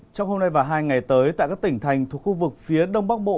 trong hôm nay và hai ngày tới tại các tỉnh thành thuộc khu vực phía đông bắc bộ